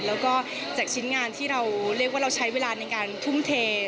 แล้วก็จากชิ้นงานที่เราเรียกว่าเราใช้เวลาในการทุ่มเท